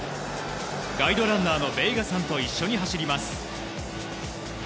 ガイドランナーのベイガさんと一緒に走ります。